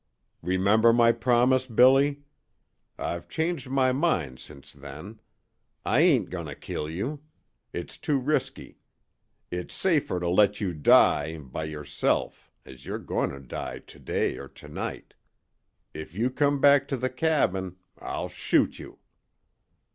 Remember my promise, Billy? I've changed my mind since then. I ain't going to kill you. It's too risky. It's safer to let you die by yourself as you're goin' to die to day or to night. If you come back to the cabin I'll shoot you!"